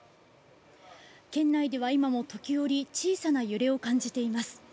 県内では今も時折小さな揺れを感じています。